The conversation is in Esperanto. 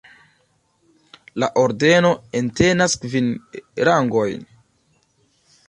La ordeno entenas kvin rangojn.